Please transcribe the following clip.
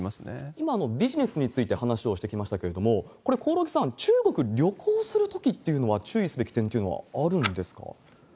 今、ビジネスについて話をしてきましたけれども、これ、興梠さん、中国旅行するときっていうのは、注意すべき点というのはあるんです